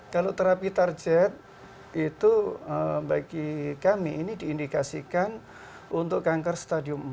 kalau terapi target itu bagi kami ini diindikasikan untuk kanker stadium empat